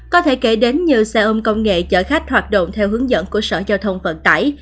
có thể kể đến như xe ôm công nghệ chở khách hoạt động theo hướng dẫn của sở giao thông vận tải